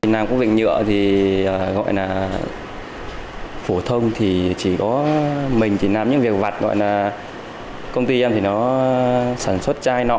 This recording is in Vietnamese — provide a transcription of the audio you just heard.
năm cũng bị nhựa thì gọi là phổ thông thì chỉ có mình thì làm những việc vặt gọi là công ty em thì nó sản xuất chai nọ